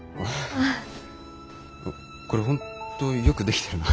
これ本当よく出来てるな。